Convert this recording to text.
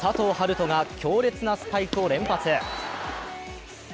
斗が強烈なスパイクを連発。